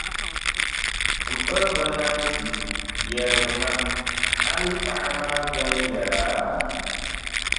M piriba Nanfi, yɛlimi ma, a mi paɣa maa viɛnyɛla?